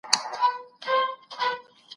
اسلام د انسان کرامت ته ډېر ارزښت ورکوي.